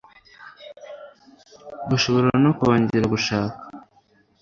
bashobora no kongera gushaka